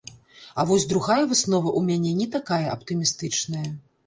А вось другая выснова ў мяне не такая аптымістычная.